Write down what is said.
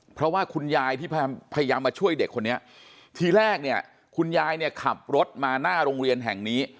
เพราะว่าคุณยายที่พยายามมาช่วยเด็กคนนี้ทีแรกเนี่ยคุณยายเนี่ยขับรถมาหน้าโรงเรียนแห่งนี้